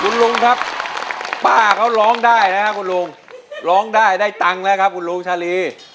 คุณลุงครับป้าเขาร้องได้นะครับคุณลุงร้องได้ได้ตังค์แล้วครับคุณลุงชาลี